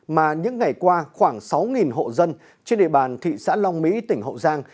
mà những ngày qua khoảng sáu hộ dân trên địa bàn thị xã long mỹ tỉnh hậu giang